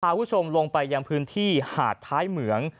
คุณผู้ชมลงไปยังพื้นที่หาดท้ายเหมือง